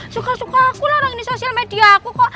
suka suka aku larang di sosial media aku kok